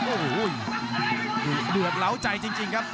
โอ้โหดุเดือดเหล้าใจจริงครับ